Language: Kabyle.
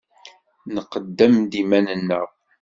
Nqeddem-d iman-nneɣ.